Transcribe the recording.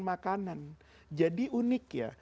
makanan jadi unik ya